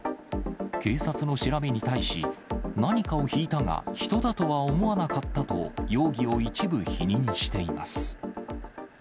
警察の調べに対し、何かをひいたが、人だとは思わなかったと、容疑を一部否認しています。